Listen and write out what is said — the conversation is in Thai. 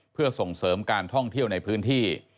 เพื่อส่งเสริมการท่องเที่ยวในพื้นที่